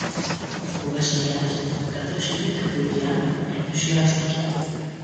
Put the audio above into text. Ο Βασιλιάς, καθώς είδε τα φλουριά, ενθουσιάστηκε.